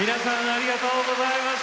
ありがとうございます。